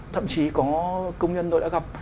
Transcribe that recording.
thậm chí có công nhân tôi đã gặp